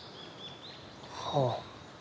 はあ。